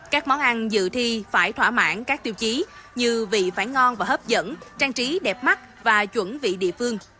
các món ăn dự thi phải thỏa mãn các tiêu chí như vị phải ngon và hấp dẫn trang trí đẹp mắt và chuẩn vị địa phương